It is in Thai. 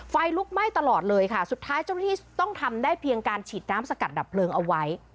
ไฟลุกไหม้ตลอดเลยค่ะสุดท้ายเจ้าหน้าที่ต้องทำได้เพียงการฉีดน้ำสกัดดับเพลิงเอาไว้